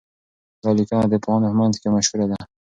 دا لیکنه د پوهانو په منځ کي مشهوره ده.